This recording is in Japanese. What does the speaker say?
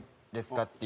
っていう。